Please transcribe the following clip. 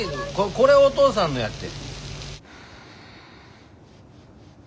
これおとうさんのやって。